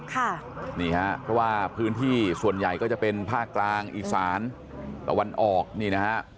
ค่ะนี่ฮะเพราะว่าพื้นที่ส่วนใหญ่ก็จะเป็นภาคกลางอีสานตะวันออกนี่นะฮะ